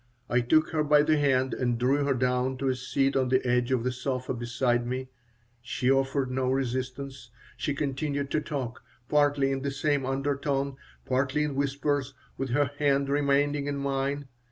I took her by the hand and drew her down to a seat on the edge of the sofa beside me. She offered no resistance. She continued to talk, partly in the same undertone, partly in whispers, with her hand remaining in mine.